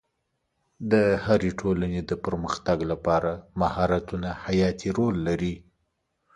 د هرې ټولنې د پرمختګ لپاره مهارتونه حیاتي رول لري.